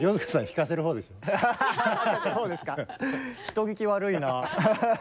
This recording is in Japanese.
人聞き悪いな。